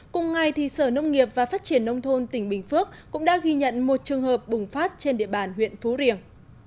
cùng ngày thì sở nông nghiệp và phát triển nông thôn tỉnh bình phước cũng đã ghi nhận một trường hợp bùng phát trên địa bàn huyện phú riềng